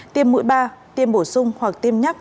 tiêm mũi ba tiêm bổ sung hoặc tiêm nhắc